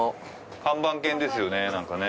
看板犬ですよねなんかね。